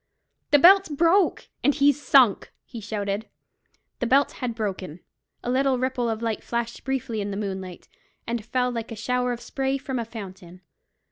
"The belt's broke, and he's sunk!" he shouted. The belt had broken. A little ripple of light flashed briefly in the moonlight, and fell like a shower of spray from a fountain.